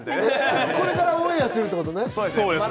これからオンエアするってこまだ